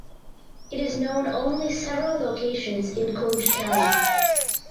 It is known only several locations in Cluj County.